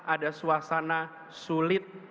ada suasana sulit